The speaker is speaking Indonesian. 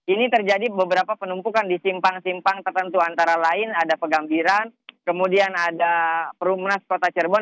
ini terjadi beberapa penumpukan di simpang simpang tertentu antara lain ada pegambiran kemudian ada perumnas kota cirebon